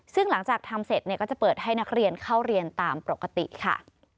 ซึ่งหลังจากทำเสร็จก็จะเปิดให้นักเรียนเข้าเรียนตามปกติค่ะ